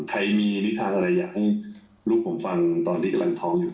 ใครมีนิทานอะไรอยากให้ลูกผมฟังตอนที่กำลังท้องอยู่